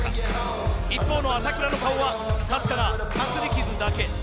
一方の朝倉未来の顔はかすかな、かすり傷だけ。